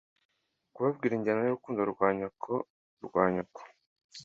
kubabwira injyana y'urukundo rwa nyoko rwa nyoko!